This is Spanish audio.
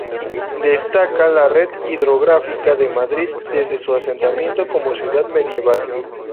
Destaca la red hidrográfica de Madrid desde su asentamiento como ciudad medieval.